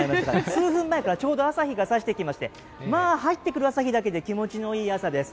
数分前からちょうど朝日がさしてきまして、入ってくる朝日だけで気持ちのいい朝です。